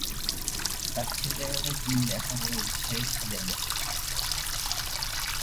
তার ছেলেবেলায় তিনি লেখাপড়ায় উৎসাহী ছিলেন না।